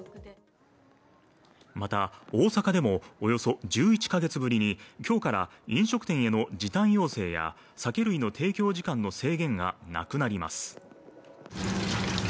また、大阪でもおよそ１１カ月ぶりに今日から飲食店への時短要請や酒類の提供時間の制限がなくなります。